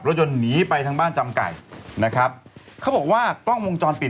รถยนต์หนีไปทางบ้านจำไก่นะครับเขาบอกว่ากล้องวงจรปิด